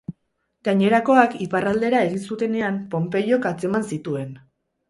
Gainerakoak, iparraldera egin zutenean, Ponpeiok atzeman zituen.